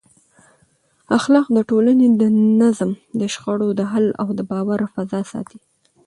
اخلاق د ټولنې د نظم، د شخړو د حل او د باور فضا ساتي.